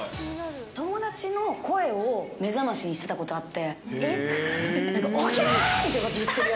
友達の声を目覚ましにしてたえっ？